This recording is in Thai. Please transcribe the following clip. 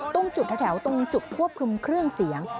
ตรงจุดแถวตรงจุดควบคุมเครื่องเสียง